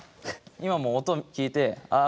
今も音を聞いてああ